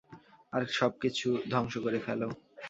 আর সবকিছু ধ্বংস করে ফেলো!